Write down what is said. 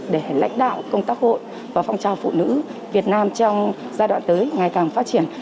để lãnh đạo công tác hội và phong trào phụ nữ việt nam trong giai đoạn tới ngày càng phát triển